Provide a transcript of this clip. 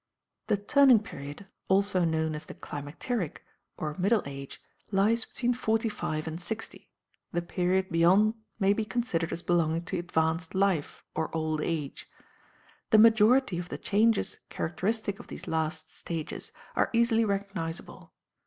The "turning period," also known as the "climacteric" or "middle age," lies between forty five and sixty; the period beyond may be considered as belonging to advanced life or old age. The majority of the changes characteristic of these last stages are easily recognizable.